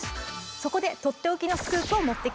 そこでとっておきのスクープを持ってきました。